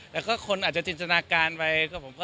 แล้วก็คนอาจจะจินตนาการไป